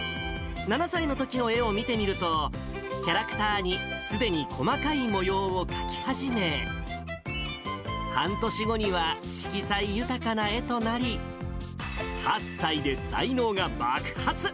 ７歳のときの絵を見てみると、キャラクターにすでに細かい模様を描き始め、半年後には、色彩豊かな絵となり、８歳で才能が爆発。